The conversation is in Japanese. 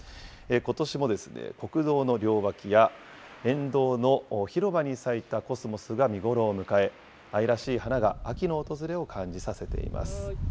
ことしも国道の両脇や、沿道の広場に咲いたコスモスが見頃を迎え、愛らしい花が秋の訪れを感じさせています。